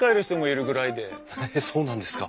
へえそうなんですか。